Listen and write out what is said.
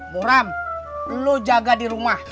muram lu jaga di rumah